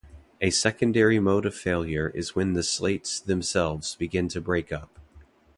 A secondary mode of failure is when the slates themselves begin to break up.